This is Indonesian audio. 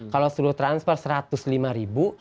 kalau perlu transfer satu ratus lima ribu